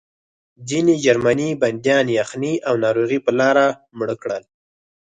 ځینې جرمني بندیان یخنۍ او ناروغۍ په لاره مړه کړل